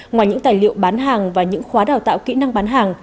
ngoài những tài liệu bán hàng và những khóa đào tạo kỹ năng bán hàng